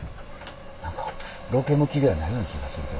何かロケ向きではないような気がするけど。